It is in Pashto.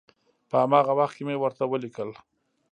په هماغه وخت کې مې ورته ولیکل.